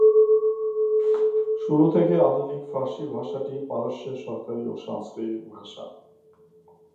শুরু থেকেই আধুনিক ফার্সি ভাষাটি পারস্যের সরকারি ও সাংস্কৃতিক ভাষা।